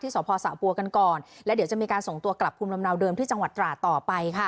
ที่สศปษ์สปูะกันก่อนและเดี๋ยวจะมีการส่งตัวกลับคลุมลำเนาเดิมที่จตราต์ต่อไปค่ะ